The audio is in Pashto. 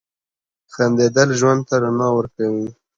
• خندېدل ژوند ته رڼا ورکوي.